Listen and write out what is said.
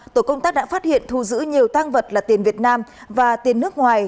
tổ công tác đã phát hiện thu giữ nhiều tăng vật là tiền việt nam và tiền nước ngoài